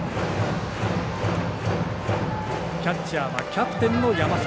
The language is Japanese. キャッチャーはキャプテンの山崎。